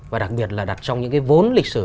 và đặc biệt là đặt trong những cái vốn lịch sử